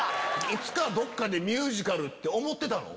いつかどっかでミュージカルって思ってたの？